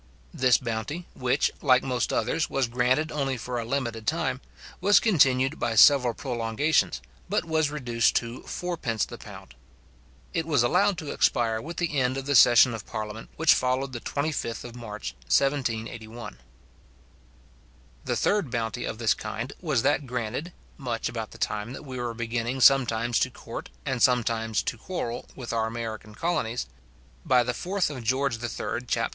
This bounty, which, like most others, was granted only for a limited time, was continued by several prolongations, but was reduced to 4d. the pound. It was allowed to expire with the end of the session of parliament which followed the 25th March 1781. The third bounty of this kind was that granted (much about the time that we were beginning sometimes to court, and sometimes to quarrel with our American colonies), by the 4th. Geo. III. chap.